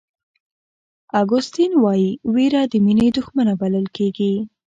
اګوستین وایي وېره د مینې دښمنه بلل کېږي.